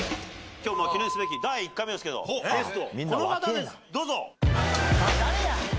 記念すべき第１回目ですけどゲストこの方ですどうぞ！